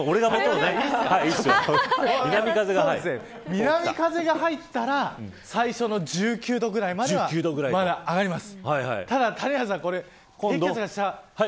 南風が入ったら最初の１９度ぐらいまで上がります。